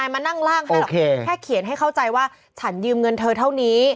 มานั่งร่างให้เข้าใจว่าฉันยืมเงินเธอเท่านี้